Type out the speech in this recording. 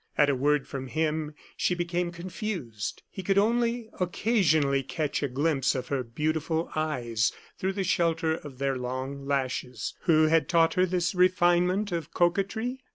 At a word from him she became confused. He could only occasionally catch a glimpse of her beautiful eyes through the shelter of their long lashes. Who had taught her this refinement of coquetry?